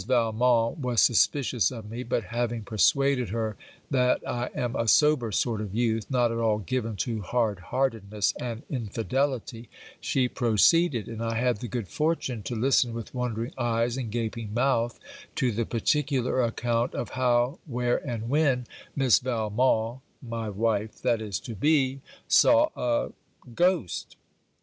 Valmont was suspicious of me, but having persuaded her than I am a sober sort of youth, not at all given to hard heartedness and infidelity, she proceeded, and I had the good fortune to listen with wondering eyes and gaping mouth to the particular account of how, where, and when, Miss Valmont (my wife that is to be) saw a ghost.